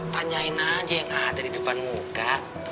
tanyain aja yang ada di depan muka